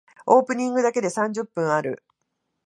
オープニングだけで三十分ある。